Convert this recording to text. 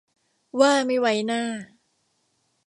ว่าไม่ไว้หน้า